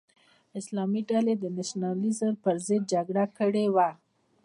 د اسلامي ډلې د نشنلیزم پر ضد جګړه کړې وه.